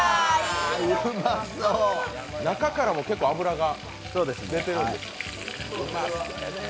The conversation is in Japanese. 中からも結構脂が出ているんですね。